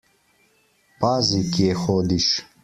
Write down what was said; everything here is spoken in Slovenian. Pazi, kje hodiš!